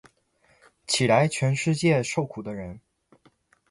起来，全世界受苦的人！